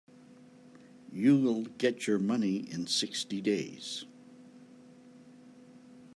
You'll get your money in sixty days.